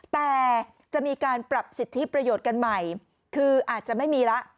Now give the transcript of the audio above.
แต่จะมีการปรับสิทธิประโยชน์กันใหม่คืออาจจะไม่มีแล้ว